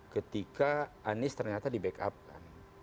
ketika anis ternyata di backupkan